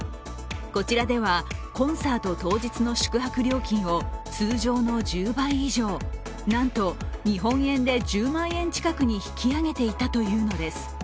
こちらではコンサート当日の宿泊料金を通常の１０倍以上、なんと日本円で１０万円近くに引き上げていたというのです。